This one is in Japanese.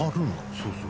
そうそう。